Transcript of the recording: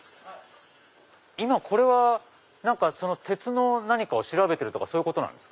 これは鉄の何かを調べてるとかそういうことなんですか？